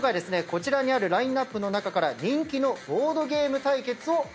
こちらにあるラインアップの中から人気のボードゲーム対決をしていただきます。